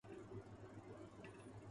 جسم ہڈیوں کا ڈھانچا رہ گیا تھا